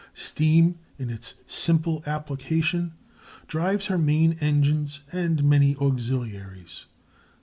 Steam in its simple application drives her main engines and many auxiliaries.